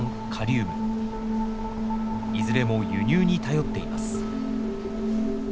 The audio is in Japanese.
いずれも輸入に頼っています。